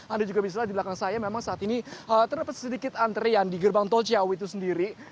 anda juga bisa lihat di belakang saya memang saat ini terdapat sedikit antrian di gerbang tol ciawi itu sendiri